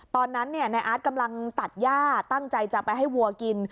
ตอนนั้นนายอาร์ตกำลังตัดย่าตั้งใจจะไปให้วัวกิน